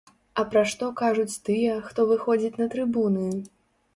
А пра што кажуць тыя, хто выходзіць на трыбуны?